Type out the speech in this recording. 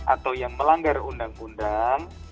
atau yang melanggar undang undang